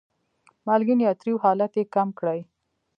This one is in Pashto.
مالګین یا تریو حالت یې کم کړي.